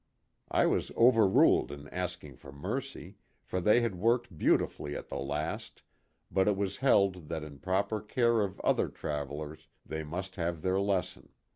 I was over ruled in asking for mercy, for they had worked beau tifully at the last, but it was held that in proper care of other travelers they must have their lesson.